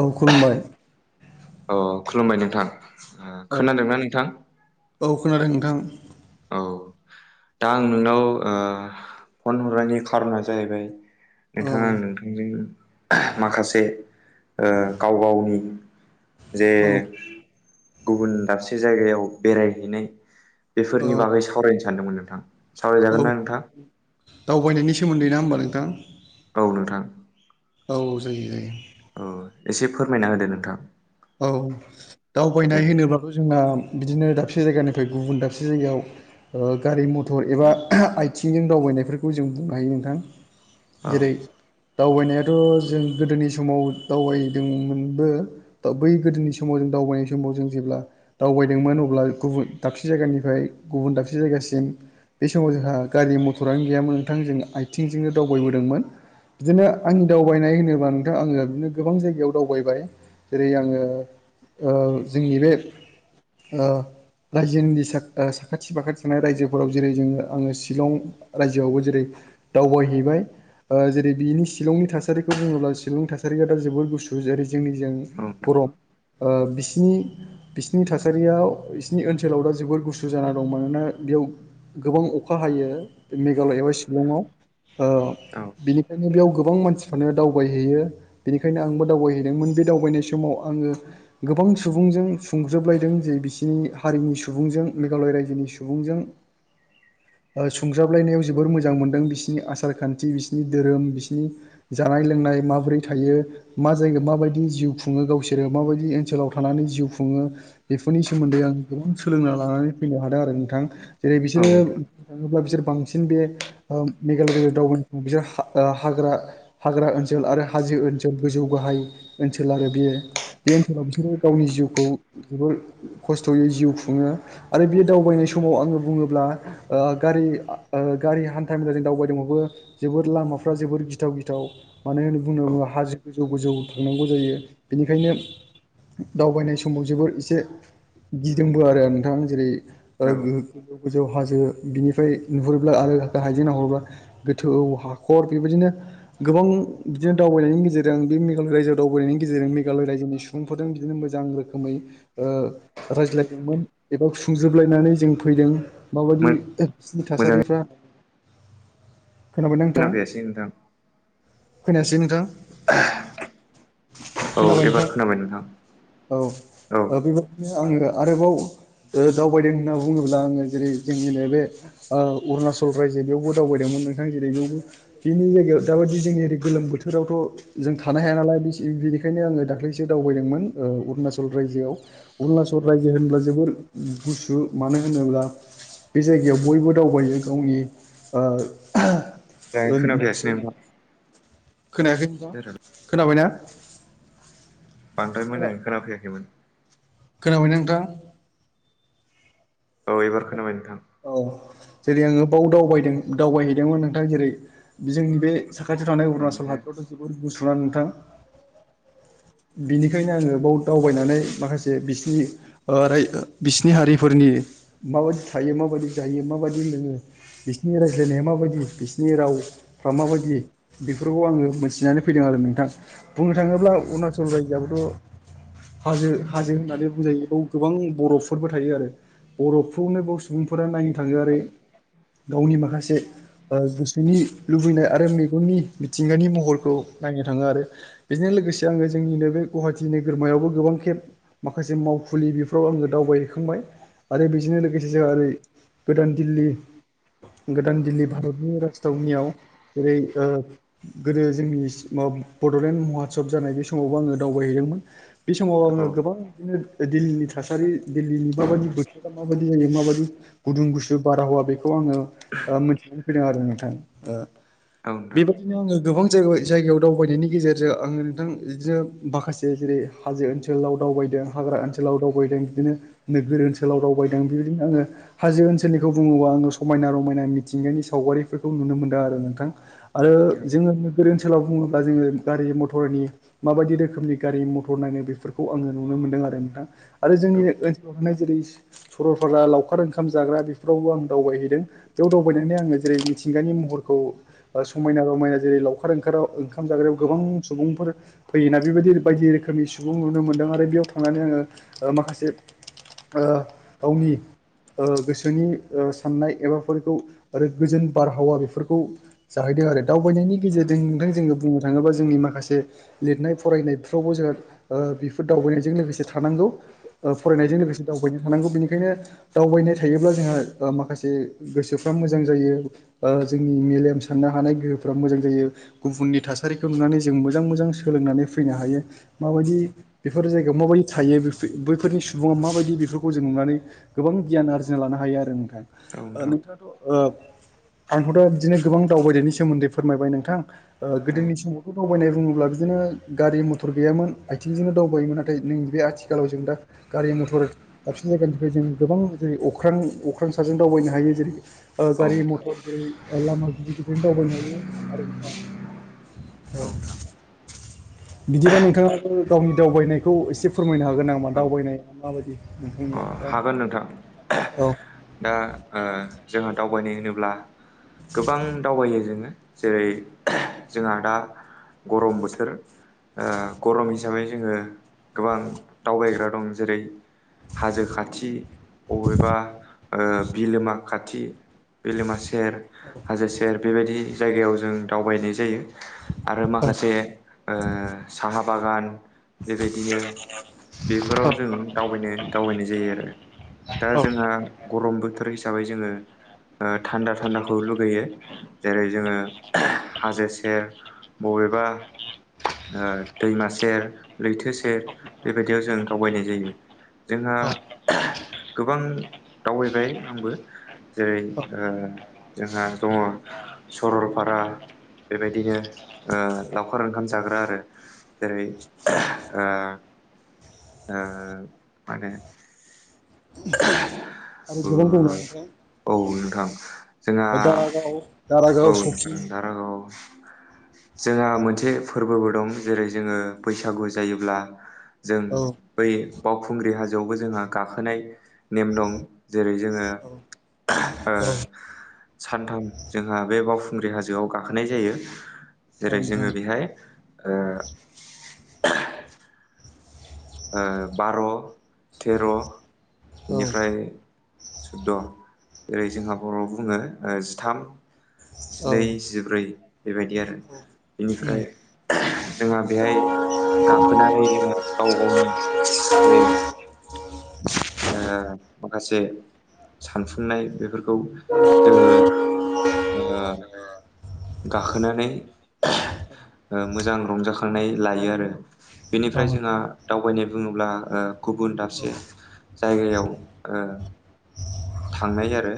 औ खुलुमबाय अ खुलुमबाय नोंथां खोनादोंना नोंथां औ खोनादों नोंथां औ दा आं नोंनाव फन हरनायनि खारना जाहैबाय औ नोंथांङा आं नोंथांजों माखासे गाव गावनि जे औ गुबुन दाबसे जायगायाव बेरायहैनाय बेफोरनि औ बागै सावरायनो सानदोंमोन नोंथां सावरायजागोन ना नोंथां सोमोनदै ना होमबा नोंथां औ नोंथां औ जायो - जायो औ एसे फोरमायना होदो नोंथां औ दे दावबायनाय होनोबाथ जोंना बिदिनो दाबसे जायगानिफ्राय गुबुन दाबसे जायगायाव गारि मथर एबा आथिंजों दावबाय बायनायफोरखौ जों बुंनो हायो नोंथां औ जेरै औ दावबायनायाथ' जों गोदोनि समाव दावबायदोंमोनबो बै गोदोनि समाव जों दावबायनाय समाव जों जेब्ला दावबायदोंमोन अब्ला गुबुन दाबसे जायगानिफ्राय गुबुन दाबसे जायगासिम बे समाव जोंहा गारि मथरानो गैयामोन नोंथां जों आथिंजोंनो दावबायबोदों बिदिनो आंनि दावबायनाय होनोबा नोंथां आंङो बिदिनो गोबां जायगायाव दावबाय जेरै आंङो जोंनि बे रायजोनि साखाथि फाखाथि थानाय रायजोफोराव जेरै जोंङो आंङो शिलं रायजोआवबो जेरै दावबायहैबाय जेरै बिनि शिलंनि थासारिखौ बुंङोब्ला शिलं थासारिया दा जोबोर गुसु जेरै जोंनिजों औ नोंथां बिसनि बिसिनि थासारियाव बिसोरनि ओनसोलाव दा जोबोर गुसु जाना दं मानोना बेयाव गोबां अखा हायो बे मेघालया एबा शिलंआव औ बेनिखायनो बेयाव गोबां मानसिफ्रानो दावबायहैयो बेनिखायनो आंबो दावबायहैदोंमोन बे दावबायनाय समाव आंङो गोबां सुबुंजों सुंज्रोबलायदों जे बिसिनि हारिनि सुबुंजों मेघालय रायजोनि सुबुंजों [inaudible] सुजाबलायनायाव जोबोर मोजां मोनदों बिसिोरनि आसार खान्थि बिसिनि धोरोम बिसिनि जानाय लोंनाय माबोरै थायो मा [unintelligible] जिउ खुंङो गावसोरो माबायदि ओनसोलाव थानानै जिउ खुंङो बेफोरनि सोमोन्दै आं सोलोंना लानानै नुनो हादों आरो नोंथां जेरै औ नोंथां बिसोरो बांसिन बे मेघालय दाव बिसोर हाग्रा हाग्रा हाग्रा ओनसोल आरो हाजो ओनसोल गोजौ गाहाय ओनसोल आरो बियो बे ओनसोलाव बिसोरो गावनि जिउखौ जोबोर खस्थ'यै जिउ खुंङो आरो बे दावबायनाय सम समाव आंङो बुंङोब्ला ओ गारि गारि हान्था मेला जों दावबायदोंबबो जोबोर लामा [unintelligible] जोबोर गिथाव गिथाव मानो होननानै बुंना बुंङो औ हाजो गोजौ गोजौ थांनांगौ जायो । बेनिखायनो दावबायनाय समाव जोबोर एसे गिदोंबो आरो नोंथांङा जेरै औ गोजौ हाजो बिनिफ्राय नुहरोब्ला आरो हायजों नाहरोबा गोथौ हाखर बेबायदिनो गोबां बिदिनो दावबायनायनि गेजेरजोंं बे मेघालय रायजोआव दावबायनायनि गेजेरजों मेघालय रायजोनि सुबुंफोरजों बिदिनो मोजां रोखोम रोखोमै रायज्लायदोंमोन एबा सुंजोबलायनानै जों फैदों । माबायदि बिसोरनि मोजाङै थासारिफ्रा खोनाबायना खोना नोंथां फैयासै नोंथां खोनायासै नोंथां [unintelligible] औ खोनाबाय नोंथां एबार खोनाबाय नोंथां औ औ बेबायाददिनो आंङो आरोबाव दावबायदों होनना बुंङोब्ला आंङो जेरै जोंनिनो बे अरुणाचल रायजो बेयावबो दावबायदोंमोन । नोंथां जेरैबो बेनि जायगायाव दाबाददि जोंनि ओरै गोलोम बोथोरावथ' जों थानो हाया नालाय ि बेनिखायनो आङो दाख्लैसो दावबायदोंमोन अरुणाचल रायजोआव अरुणाचल रायजो होनब्ला जोोबोर गुसु मानो होनोब्ला बे जायगायाव बयबो दावबायो गावनि मोजाङै खोनाफैयासै ज नोंथां खोनायाखै नोंथां एसे खोनाबायनाा बांद्राय मोजां खोनाफैयाखैमोन खोनाबाय नोंथां? औ एबार खोनाबाय नोंथां औ जेरै आङो बाव दावबायदों दावबायहैदोंमोन नोंथां जेरै जोंनि बे साखाथियाव थानाय अरुणाचल ए हादरावथ' जोबोद गुसुना नोंथां औ बिनिखायनो आङो बाव दावबायनानै माखासे बिसिनि र बिसिनि हारिफोरनि माबायदि थायो माबायदि जायो माबायदि नोङो बिसिोरनि रायज्लायनाया माबायदि बिसिनि राव फ्रा औ माबायदि बेफोरखौ आङो मिथिनानै फैदों आरो नोंथां बुंनो थाङोब्ला अरुणाचल रायजोआोथ' हाजो हाजो होननानै बुजायोयाव गोबां बरफफोरबो थायो आरो बरफखौनो बे सुबुंफोरा नायनो थाङो आरो गावनि माखासे गोसोनि लुबैनाय आरो मेगननि मिथिंगानि महरखौ नाय नो थाङो आरो बेजों लोगोसे आङो जोंनिनो बे गुवाहाटि नोगोरमायावबो गोबां खेब माखासे मावफुं फुलि बेफ्राव आङो दावबायहैखांबाय आरो बेजोंनो लोगोसे जोंहा ओरै गोदान दिल्ली गोदान दिल्ली भारतनि राजथावनियाव जेरै गोदो जोंनि बड'लेण्ड महत्सब जानाय बे समावबो आङो दावबायहैदोंमोन बे समाव औ आङो गोबां बिदिनो दिल्लीनि थासारि दिल्लीनि माबायदि बोथ माबायदि जायो माबायदि गुदुं गुसु बाराहावा बेखौ आङो मिथिनानै फैदों आरो नोंथां औ नोंथां बेबायाददिनो आङो गोबां जायगायाव दावबायनायनि गेजेरजों आङो नोंथां बिदिनो माखासे जेरै हाजो ओनसोलाव दावबायनो हाग्रा ओनसोलाव दावबायदों बिदिनो नोगोर ओनसोल ओनसोलाव रावबायदों बेबायदिनो आङो हाजो ओनसोलखौ बुङोबा आङो समायना रमायना मिथिंगायानि सावगारिफोरखौ नुनो मोनदों आरो नोंथां आरो औ जोङो गोदो ओनसोलाव बुङोब्ला जोङो गारि मथरनि माबायदि रोखोमनि गारि मथर नायनो बेफोरखौ आङो नुनो मोनो दों आरो ना आरो जोंनि औ ओनाव जेरै सरलपारा लावखार ओंखाम जाग्रा बेफोरावबो आं दावबायहैदों बेयाव दावबायनानै आङो जेरै मिथिंगानि समायना रमायना जेरै लावखार ओंखार ओंखाम जाग्रायाव गोबां सुबुंफोर फै बेबायदि बायदि रोखोमनि सुबुं नुनो मोनदों आरो बेयाव थांनानै आङो माखासे आावनि गोसोनि साननाय एबाफोरखौ आरो गोजोन बारहावा बेफोरखौ जाहैदों आरो दावबायनायनि गेजेरजों नोंथां जोङो बुंनो थाङोबा जोंनि माखासे लिरनाय फरायनायफ्रावबो जोंहा बेफोर दावबायनायजों लोगोसे थानांगौ औ फरायनायजों नोंथां लोगोसे दावबायनांगौ थानांगौ बेनिखायनो दावबायनाय थायोब्ला जोंहा माखासे गोसोफ्रा मोजां जायो ओ जोंनि मेलेम साननो हानाय गोहोफ्रा मोजां जायो गुबुननि थासारिखौ नुनानै जों मोजां मोजां सोलोंनानै फैनो हायो माबायदि बेफोर जायगायाव माबायदि थायो बैफोरनि सुबा माबायदि बे खौ जों नुनानै गोबां गियान आरजिना लानो हायो आरो नोंथाङा औ ओ नोंथां नोंथाङाथ' ओ आंथ' दा बिदिनो गोबां दावबायनायनि सोमोन्दै फोरमायबाय नोंथां गोदोनि समावथ' दावबायनाय बुङोब्ला बिदिनो गारि मथर गैयामोन आथिंजोंनो दावबायोमोन नाथाय नै बे आथिखालाव जों दा गारि मटर दाबसिन जायगानिफ्राय जों गोबां जेरै अख्रां अख्रां सारों दावबायनो हायो जेरै गारि मथर जेरै लामा गिदिर गदिर ओरैनो दावबायनो हायो आरो नोंथां औ बिदिबा नोंथाङाबो गावनि दावबायनायखौ एसे फोरमायनो हागोन नामा औ दावबायनाया माबायदि अ नोंथांनिया औ हागोन नोंथां औ दा ओ जोंहा दावबायनाय होनोब्ला गोबां दावबायो जोङो जेरै जोंहा दा गरम बोथोर गरम हिसाबै जोङो गोबां दावबायग्रा दं जेरै हाजो खाथि बबेबा बिलोमा खाथि बिलोमा सेर हाजो सेर बेबायदि जायगायाव जों दावबायनाय जायो आरो माखासे साहा बागान बेबायदिनो बेफोराव जों दावबायनो दावबायनाय जायो आरो दा औ जोंहा गरम बोथोर फोर हिसाबै जोङो थान्दा थान्दाखौ लुगैयो जेरै जोङो हाजो सेर बबेबा दैमा सेर लैथो सेर बेबायदियाव जों दावबायनाय जायो जोंहा औ गोबां दावबायबाय आंबो जेरै औ जोंहा दङ सरलपारा बेबायदिनो लावखार ओंखाम जाग्रा आरो जेरै आ आ मान ओ आरो गोबां दंना नोंथां औ नोंथां जोंहा दारागाव दारागाव औ सकि नोंथां [unintelligible] जोंहा मोनसे फोरबोबो दं जेरै जोङो बैसागु जायोब्ला जों औ बै बावखुंग्रि हाजोआवबो जोंहा गाखोनाय नेम दं जेरै जोङो औ सानथाम जोंहा बे बावखुंग्रि हाजोआव गाखोनाय जायो औ जेरै नोंथां जोङो बेहाय ओ बार' थेर' औ बेनिफ्राय सुद्द' ओरै जोंहा बर' बुङो जिथाम औ जिनै जिब्रै बेबायदि आरो उम बेनिफ्राय जोंहा बेहाय गाखोनानै जोंहा गाव गावनि बे [inaudible] माखासे सानफुंनाय बेफोरखौ जोङो गाखोनानै मोजां रंजाखांनाय लायो आरो औ बेनिफ्राय जोंहा दावबायनाय बुङोब्ला गुबुन औ दाबसे जायगायाव ओ थांनाय आरो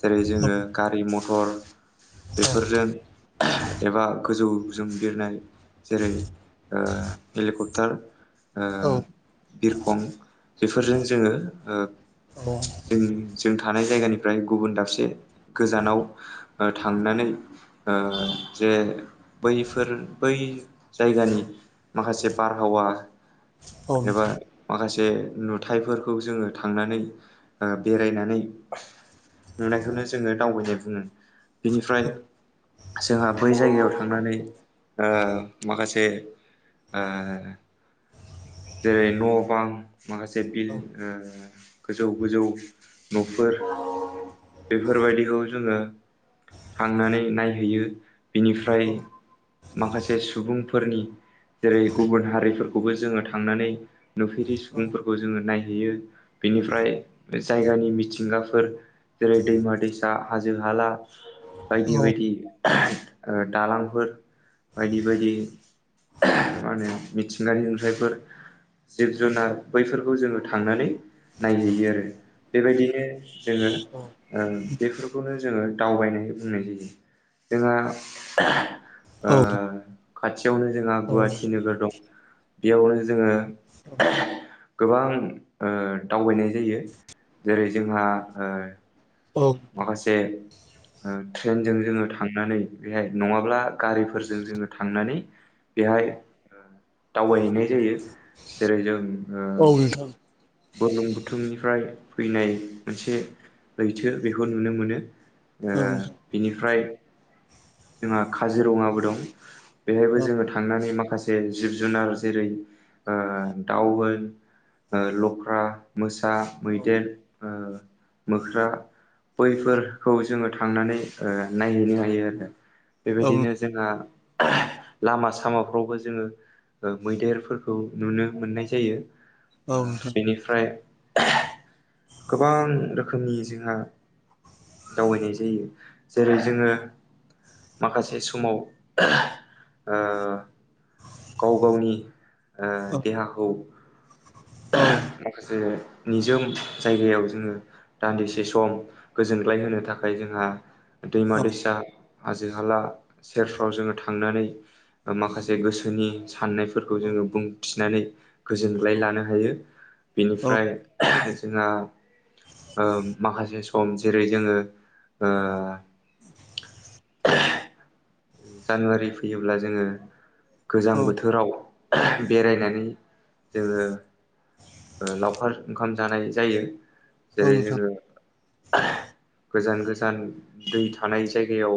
जेरै जोङो गारि मथर बेफोरजों एबा गोजौ ज बिरनाय एबा जेरै ओ हेलिकप्टार ओ औ बिरखं बेफोरजों जोङो [inaudible] जों जों थानाय जायगानिफ्राय गुबुन दाबसे गोजानाव ओ थांनानै जे बैफोर बै जायगानि माखासे बारहावा औ एबा नोंथां माखासे नुथायाइफोरखौ खौ जोङो थांनानै बेरायनानै नुनायखौनो जोङो दावबायनाय बुङो बेनिफ्राय औ जोंहा बै जायगायाव थांनानै ओ माखासे जेरै न' बां माखासे बिल औ गोजौ गोजौ न'फोर बेफोरबायदिखौ जोङो थांनानै नायहैयो बिनिफ्राय माखासे सुबुंफोरनि जेरै गुबुन हारिफोरखौबो जोङो थांनानै नुफेरिलं सुबुंफोरखौ जोङो नाय बेयो बेनिफ्राय जायगानि मिथिंगाफोर जेरै दैमा दैसा हाजो हाला औ नोंथां औ नोंथां औ नोंथां औ नोंथां औ नोंथां औ बायदि बायदि ओह ओ दालांफोर बायदि बायदि ओह मा नो मिथिंगानि नुथायफोर जिब जुनार बैफोरखौ जोङो थांनानै नायहैयो आरो बेबायदिनो जोङो ओ बेफोरखौनो जोङो दावबायनाय बुंनाय जायो जोंहा ओह ओ खाथियावनो जोंहा गुवाटी नोगोर दं बेयावनो थू उजोङो गोबां ओ दावबायनाय जायो जेरै जोंहा ओ माखासे ओ ट्रेनजों जोङो थांनानै बेहाय नङाब्ला गारिफोरजों जोङो थांनानै बेहाय ओ दावबायहैनाय जायो जेरै जों ओ बर्लुंबुथुमनिफ्राय फैनाय मोनसे लैथो बेखौ नुनो मोनो। ओ बिनिफ्राय जोंहा खाजिरङाबो दं। बेहायबो जोङो थांनानै माखासे जिब जुनार जेरै ओ दाउ होन ओ लख्रा मोसा मैदेर ओ मोख्रा बैफोर खौ जोङो थांनानै ओ नायहैनो हायो आरो। बेबायदिनो जोंहा लामा सामाफ्रावबो जोङो ओ मैदेरफोरखौ नुनो मोननाय जायो। ओ बेनिफ्राय गोबां रोखोमनि जोंहा दावबायनाय जायो जेरै जोङो माखासे समाव ओ गाव गावनि ओ देहाखौ माखासे निजोम जायगायाव जोङो दान्दिसे सम गोजोनग्लाय होनो थाखाय जोंहा दैमा दैसा हाजो हाला सेरफ्राव जोङो थांनानै ओ माखासे गोसो ओनि साननायफोरखौ जोङो बुंथिनानै गोजोनग्लाय लानो हायो बेनिफ्राय जोंहा ओ माखासे सम जेरै जोङो ओ [unintelligible] ओ जानुवारि फैयोब्ला जोङो गोजां बोथोराव बेरायनानै जोङो ओ लावखार ओंखाम जानाय जायो जेरै जोङो गोजान गोजान दै थानाय जायगायाव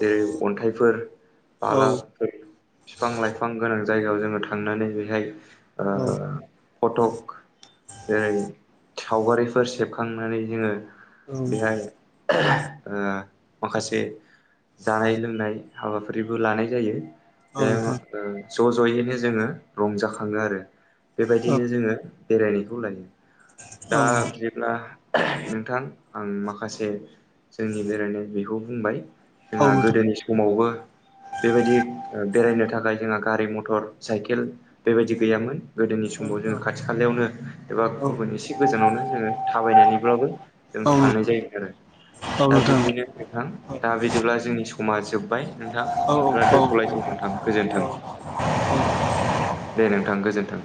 जेरै अन्थाइफोर बालाफोर फिफां लाइफां गोनां जायगायाव जोङो थांनानै बेहाय ओ फटक जेरै छावगारिफोर सेबख खांनानै जोङो बेहाय ओ माखासे जानाय लोंनाय हाबाफारिबो लानाय जायो बेयाव ओ ज' ज'यैनो जोङो रंजाखाङो आरो बेबायदिनो जोङो बेरायनायखौ लायो। दा बिदिब्ला आह नोंथां आं माखासे जोंनि बेरायनाय बेखौ बुंबाय जोंहा गोदोनि समावबो बेबायदि ओ बेरायनो थाखाय जोंहा गारि मथर साइकेल बेबायदि गैयामोन गोदोनि समाव जोङो नोंथां खाथि खालायावनो एबा औ गुबुन इसे गोजानावनो जोङो थाबायनानैब्लाबो जों औ थांनाय जायो नोंथां आरो औ दा नोंथां बिदिनो नोंथां दा बि नि समा जोब्बाय नोंथां औ दिब्ला दोनथ'लायसै औ नोंथां गोजोन्थों। औ औ दे नोंथां गोजोन्थों।